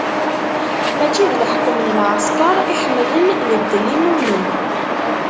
Mačči d leḥkem n lɛesker i ḥemmlen, d ddel i nnumen.